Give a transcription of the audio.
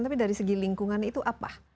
tapi dari segi lingkungan itu apa